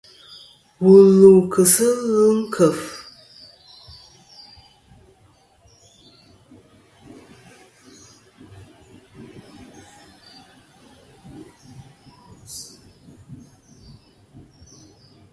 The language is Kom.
Wù lu kɨ sɨ ɨlvɨ ɨ nkèf.